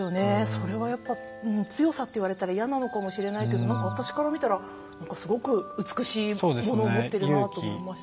それはやっぱ強さって言われたら嫌なのかもしれないけど何か私から見たらすごく美しいものを持ってるなと思いましたね。